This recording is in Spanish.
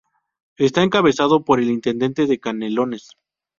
Está encabezado por el Intendente de Canelones.